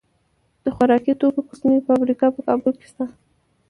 د خوراکي توکو کوچنۍ فابریکې په کابل کې شته.